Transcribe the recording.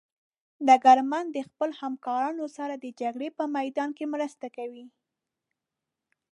ډګرمن د خپلو همکارانو سره د جګړې په میدان کې مرسته کوي.